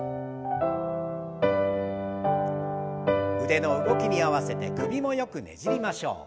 腕の動きに合わせて首もよくねじりましょう。